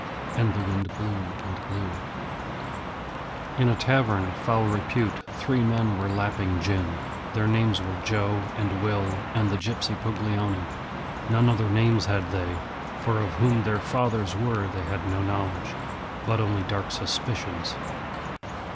And the wind blew and blew. In a tavern of foul repute three men were lapping gin. Their names were Joe and Will and the gypsy Puglioni; none other names had they, for of whom their fathers were they had no knowledge, but only dark suspicions.